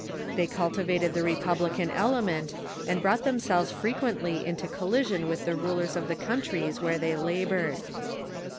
They cultivated the republican element, and brought themselves frequently into collision with the rulers of the countries where they labored.